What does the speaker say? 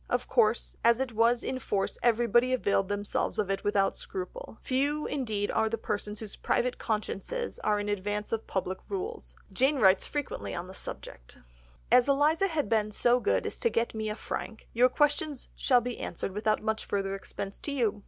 Of course as it was in force everybody availed themselves of it without scruple, few indeed are the persons whose private consciences are in advance of public rules; Jane writes frequently on the subject— "As Eliza has been so good as to get me a frank, your questions shall be answered without much further expense to you....